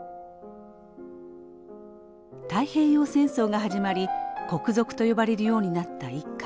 太平洋戦争が始まり国賊と呼ばれるようになった一家。